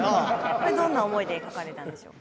これどんな思いで書かれたんでしょうか？